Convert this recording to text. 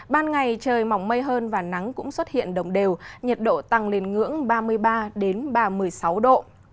ban ngày trời mỏng mây hơn và nắng cũng xuất hiện đồng đều nhiệt độ tăng lên ngưỡng ba mươi ba ba mươi sáu độ